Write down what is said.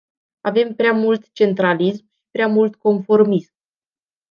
Avem prea mult centralism și prea mult conformism.